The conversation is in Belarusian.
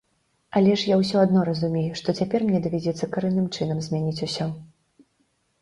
Але ж я ўсё адно разумею, што цяпер мне давядзецца карэнным чынам змяняць усё.